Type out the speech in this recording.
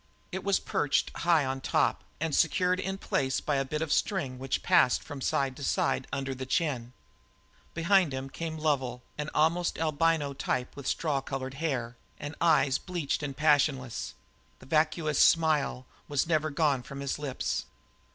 It was perched high on top, and secured in place by a bit of string which passed from side to side under the chin. Behind him came Lovel, an almost albino type with straw coloured hair and eyes bleached and passionless; the vacuous smile was never gone from his lips.